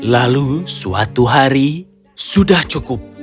lalu suatu hari sudah cukup